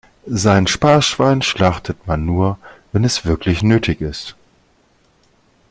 Sein Sparschwein schlachtet man nur, wenn es wirklich nötig ist.